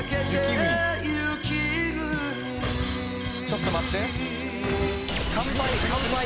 ちょっと待って。